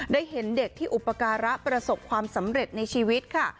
ได้เห็นเด็กที่อุปการะประสบความสำเร็จในชีวิตค่ะ